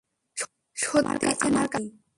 সত্যিই আমার কাছে নাকি?